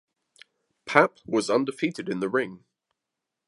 Papp was undefeated in the ring.